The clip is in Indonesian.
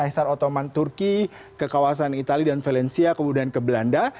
kaisar ottoman turki ke kawasan itali dan valencia kemudian ke belanda